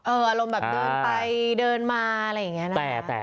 อารมณ์แบบเดินไปเดินมาอะไรอย่างนี้นะ